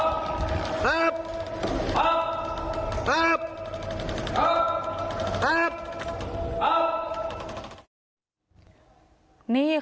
ก็เอาออกซิเจนลงไปที่ก้นบ่อใช่มั้ยคะก็เอาออกซิเจนลงไปที่ก้นบ่อใช่มั้ยคะ